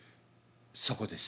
「そこです」。